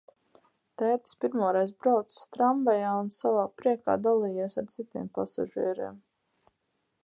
Tētis pirmoreiz braucis tramvajā un savā priekā dalījies ar citiem pasažieriem.